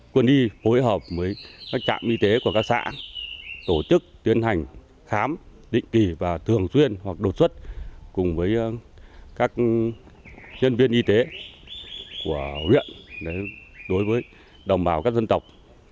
quân y hối hợp với các trạm y tế của các xã tổ chức tiến hành khám định kỳ và thường xuyên hoặc đột xuất cùng với các nhân viên y tế của huyện đối với đồng bào các dân tộc